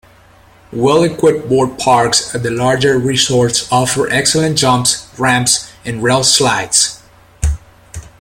Well equipped board parks at the larger resorts offer excellent jumps, ramps and rail-slides.